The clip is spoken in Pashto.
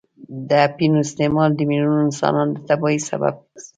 د اپینو استعمال د میلیونونو انسانان د تباهۍ سبب ګرځي.